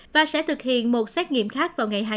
và sẽ thực hiện một xét nghiệm khác